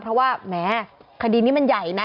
เพราะว่าแหมคดีนี้มันใหญ่นะ